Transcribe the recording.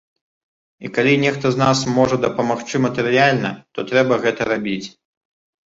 І калі нехта з нас можа дапамагчы матэрыяльна, то трэба гэта рабіць.